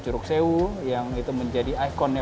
curug sewu yang itu menjadi ikonnya